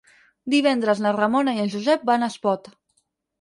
Divendres na Ramona i en Josep van a Espot.